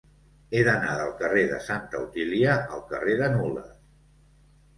He d'anar del carrer de Santa Otília al carrer de Nulles.